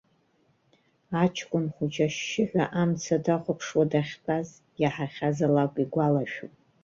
Аҷкәын хәыҷы ашьшьыҳәа амца дахәаԥшуа дахьтәаз иаҳахьаз алакә игәалашәон.